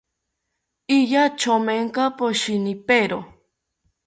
Iya chomenta poshinipero